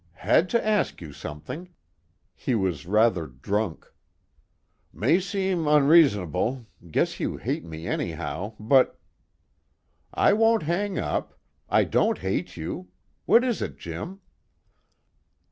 "Had to ask you something." He was rather drunk. "May seem unreason'ble, guess you hate me anyhow, but " "I won't hang up. I don't hate you. What is it, Jim?"